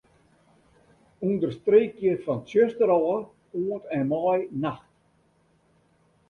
Understreekje fan 'tsjuster' ôf oant en mei 'nacht'.